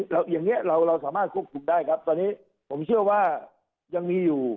อย่างนี้เราสามารถควบคุมได้ครับตอนนี้ผมเชื่อว่ายังมีอยู่